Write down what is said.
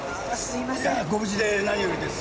いやご無事で何よりです。